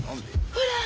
ほら。